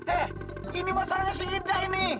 eh ini masalahnya si ide ini